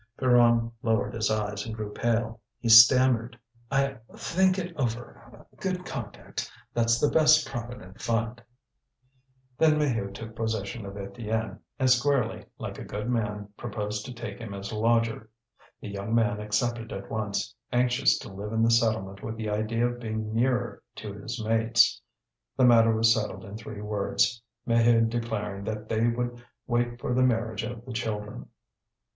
Pierron lowered his eyes and grew pale; he stammered: "I'll think over it. Good conduct, that's the best Provident Fund." Then Maheu took possession of Étienne, and squarely, like a good man, proposed to take him as a lodger. The young man accepted at once, anxious to live in the settlement with the idea of being nearer to his mates. The matter was settled in three words, Maheude declaring that they would wait for the marriage of the children.